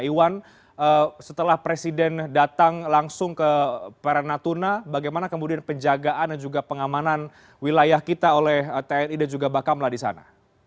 iwan setelah presiden datang langsung ke perairan natuna bagaimana kemudian penjagaan dan juga pengamanan wilayah kita oleh tni dan juga bakamlah disana